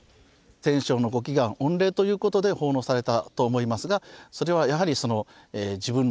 戦勝の御祈願御礼ということで奉納されたと思いますがそれはやはりその自分の身近なもの